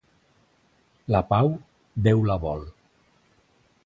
La pau, Déu la vol.